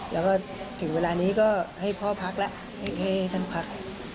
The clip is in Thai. แล้วก็ถึงเวลานี้ก็ให้พ่อพักแล้วให้ท่านพัก